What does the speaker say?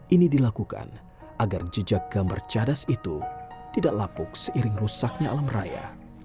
ini dilakukan agar jejak gambar cadas itu tidak lapuk seiring rusaknya alam raya